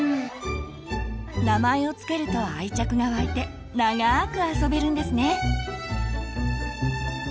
名前をつけると愛着が湧いてながく遊べるんですね。